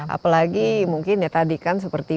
apalagi mungkin ya tadi kan seperti